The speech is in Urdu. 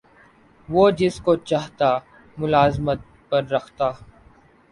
وہ جس کو چاہتا ملازمت پر رکھتا